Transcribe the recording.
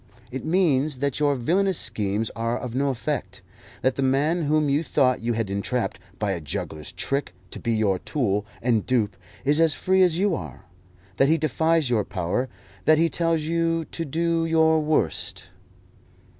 It means that your villainous schemes are of no effect; that the man whom you thought you had entrapped by a juggler's trick to be your tool and dupe is as free as you are; that he defies your power; that he tells you to do your worst."